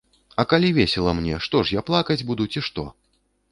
А калі весела мне, што ж я, плакаць буду, ці што?